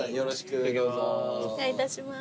お願いいたします